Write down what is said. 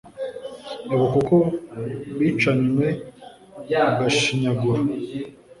ibuka uko bicanywe agashinyaguro